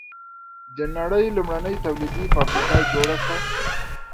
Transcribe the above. د نړۍ لومړنۍ تولیدي فابریکه جوړه کړه.